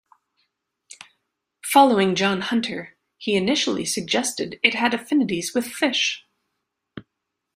Following John Hunter, he initially suggested it had affinities with fish.